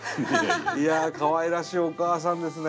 いやかわいらしいお母さんですね。